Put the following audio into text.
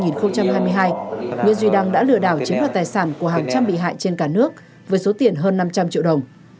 nguyễn duy đăng đã lừa đảo chiếm đoạt tài sản của hàng trăm bị hại trên cả nước với số tiền hơn năm trăm linh triệu đồng